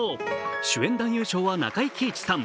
主演男優賞は中井貴一さん。